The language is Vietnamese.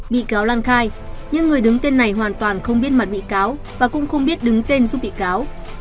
bị cáo lan khai nhưng người đứng tên này hoàn toàn không biết mặt bị cáo và cũng không biết đứng tên giúp bị cáo